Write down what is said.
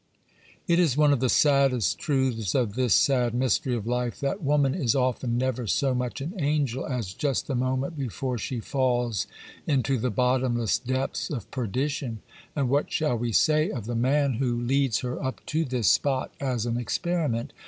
It is one of the saddest truths of this sad mystery of life, that woman is often never so much an angel as just the moment before she falls into the bottomless depths of perdition; and what shall we say of the man who leads her up to this spot as an experiment?